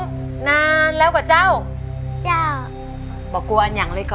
คุณยายแดงคะทำไมต้องซื้อลำโพงและเครื่องเสียง